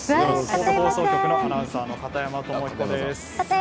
神戸放送局のアナウンサーの片山智彦です。